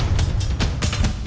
aku gak tahu